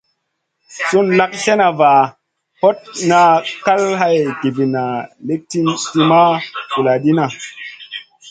Sùn lak slèna vaʼa, hot naʼ kal hay giwinna lì ti ma vuladidna.